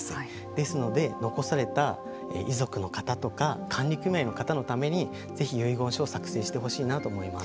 ですので残された遺族の方とか管理組合の方のためにぜひ、遺言書を作成してほしいなと思います。